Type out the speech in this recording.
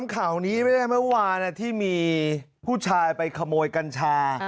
ข่าวนี้ไม่ได้เมื่อวานที่มีผู้ชายไปขโมยกัญชา